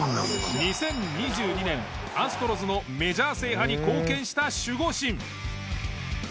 ２０２２年アストロズのメジャー制覇に貢献した守護神。